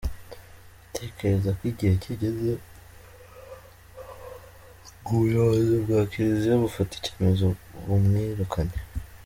Ndatekereza ko igihe kigeze ngo ubuyobozi bwa Kiliziya bufate icyemezo bumwirukane”.